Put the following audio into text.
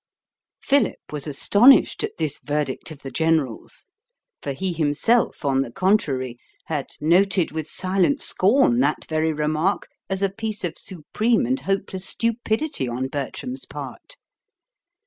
Philip was astonished at this verdict of the General's, for he himself, on the contrary, had noted with silent scorn that very remark as a piece of supreme and hopeless stupidity on Bertram's part.